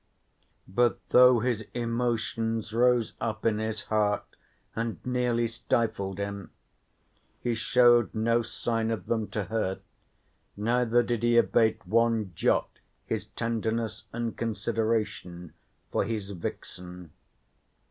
But though his emotions rose up in his heart and nearly stifled him he showed no sign of them to her, neither did he abate one jot his tenderness and consideration for his vixen.